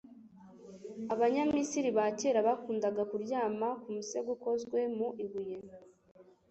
Abanyamisiri ba kera bakundaga kuryama ku musego ukozwe mu ibuye?